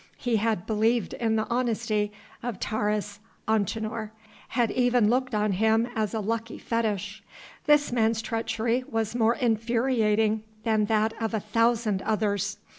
He had believed in the honesty of Taurus Antinor: had even looked on him as a lucky fetish. This man's treachery was more infuriating than that of a thousand others.